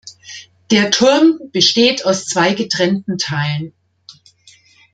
Der Turm besteht aus zwei getrennten Teilen.